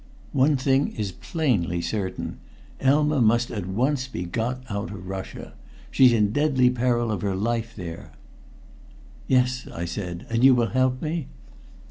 One thing is plainly certain; Elma must at once be got out of Russia. She's in deadly peril of her life there." "Yes," I said. "And you will help me?"